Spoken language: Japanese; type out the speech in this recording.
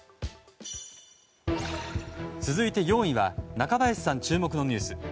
続いて４位は中林さん注目のニュース。